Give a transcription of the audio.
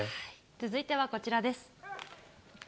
続いてはこちらです。